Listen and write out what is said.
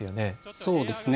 そうですね。